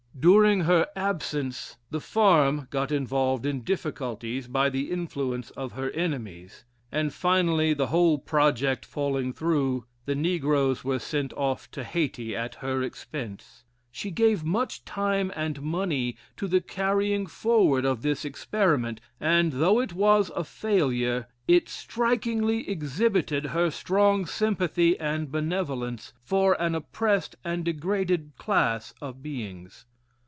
During her absence, the farm got involved in difficulties by the influence of her enemies; and finally, the whole project falling through, the negroes were sent off to Hayti at her expense. She gave much time and money to the carrying forward of this experiment; and though it was a failure, it strikingly exhibited her strong sympathy and benevolence for an oppressed and degraded class of beings.